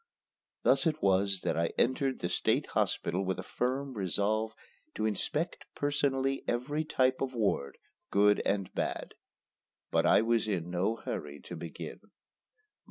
Thus it was that I entered the State Hospital with a firm resolve to inspect personally every type of ward, good and bad. But I was in no hurry to begin.